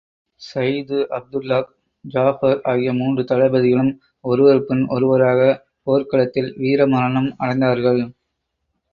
ஸைது, Abdullah, Jafar ஆகிய மூன்று தளபதிகளும் ஒருவர் பின் ஒருவராகப் போர்க் களத்தில் வீர மரணம் அடைந்தார்கள்.